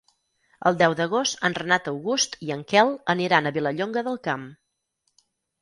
El deu d'agost en Renat August i en Quel aniran a Vilallonga del Camp.